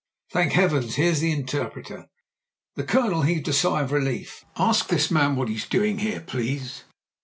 "Thank heavens, here's the interpreter!" The Colonel heaved a sigh of relief. "Ask this man what he's doing here, please."